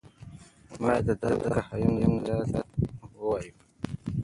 موږ باید د دورکهایم نظریات ولولو.